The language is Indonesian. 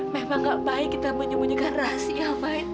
memang nggak baik kita menyembunyikan rahasia ma